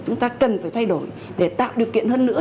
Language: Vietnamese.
chúng ta cần phải thay đổi để tạo điều kiện hơn nữa